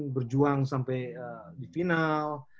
berjuang sampai di final